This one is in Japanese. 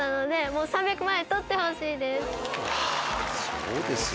そうですよ。